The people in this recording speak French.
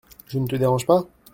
Je ne te dérange pas ?